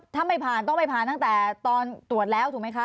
ถ้าไม่ผ่านต้องไปผ่านตั้งแต่ตอนตรวจแล้วถูกไหมคะ